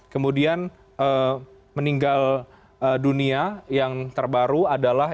kemudian meninggal dunia yang terbaru adalah